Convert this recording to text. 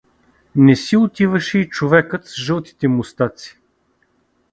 Не си отиваше и човекът с жълтите мустаци.